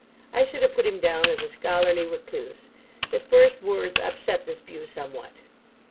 I should have put him down as a scholarly recluse. His first words upset this view somewhat.